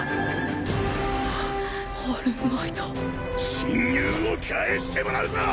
親友を返してもらうぞ！